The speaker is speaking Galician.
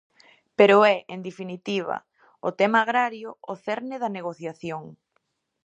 Pero é, en definitiva, o tema agrario, o cerne da negociación.